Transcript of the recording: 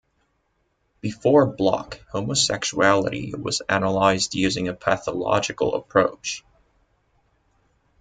Before Bloch, homosexuality was analyzed using a pathological approach.